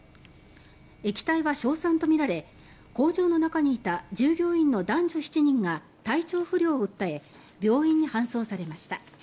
液体は硝酸とみられ工場の中にいた従業員の男女７人が体調不良を訴え病院に搬送されました。